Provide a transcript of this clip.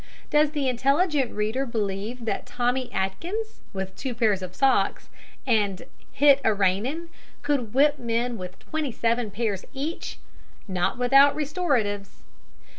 Does the intelligent reader believe that "Tommy Atkins," with two pairs of socks "and hit a rainin'," could whip men with twenty seven pairs each? Not without restoratives.